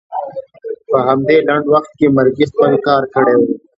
په همدې لنډ وخت کې مرګي خپل کار کړی و.